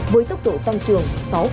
với tốc độ tăng trưởng sáu bảy